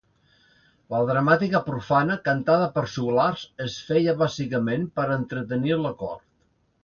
La dramàtica profana, cantada per joglars, es feia bàsicament per entretenir la cort.